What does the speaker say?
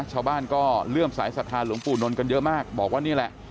ชาวบ้านก็เลื่อมสายศรัทธาหลวงปู่นนท์กันเยอะมากบอกว่านี่แหละ